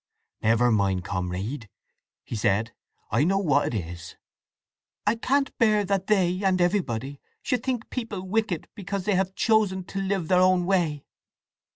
"Never mind, comrade!" he said. "I know what it is!" "I can't bear that they, and everybody, should think people wicked because they may have chosen to live their own way!